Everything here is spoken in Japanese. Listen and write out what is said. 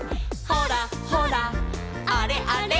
「ほらほらあれあれ」